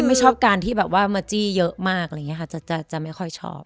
ไม่ชอบการที่มาจี้เยอะมากจะไม่ค่อยชอบ